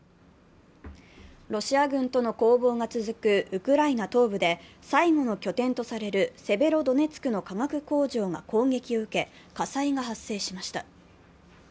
ロシア軍との攻防が続くウクライナ東部で最後の拠点とされるセベロドネツクの化学工場が攻撃を受け、火災が発生しました。